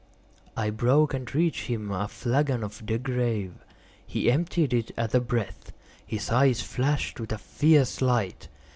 I broke and reached him a flagon of De Grâve. He emptied it at a breath. His eyes flashed with a fierce light.